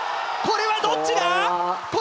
これはどっちだ？